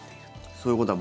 そういうことだ。